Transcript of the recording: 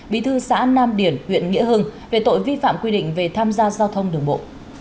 bí thư xã nam điển huyện nghĩa hưng về tội vi phạm quy định về tham gia giao thông đường bộ